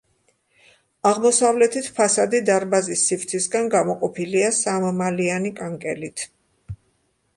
აღმოსავლეთით ფასადი დარბაზის სივრცისგან გამოყოფილია სამმალიანი კანკელით.